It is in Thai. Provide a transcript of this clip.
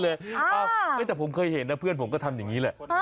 อารมณ์อย่างนี้เลยแต่ผมเคยเห็นนะเพื่อนผมก็ทำอย่างนี้แหละ